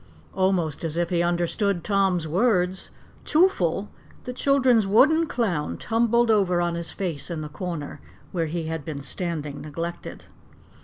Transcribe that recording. Almost as if he understood Tom's words, Twoffle, the children's wooden clown, tumbled over on his face in the corner where he had been standing neglected.